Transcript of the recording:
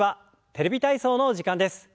「テレビ体操」の時間です。